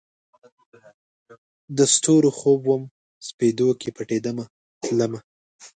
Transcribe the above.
د ستورو خوب ومه، سپیدو کې پټېدمه تلمه